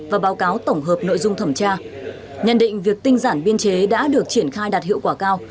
và báo cáo tổng hợp nội dung thẩm tra nhận định việc tinh giản biên chế đã được triển khai đạt hiệu quả cao